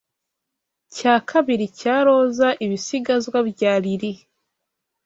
cya kabiri cya roza, ibisigazwa bya lili?